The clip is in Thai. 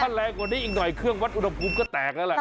ถ้าแรงกว่านี้อีกหน่อยเครื่องวัดอุณหภูมิก็แตกแล้วแหละ